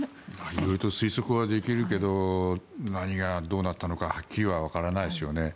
いろいろ推測はできるけど何がどうなったのかはっきりは分からないですよね。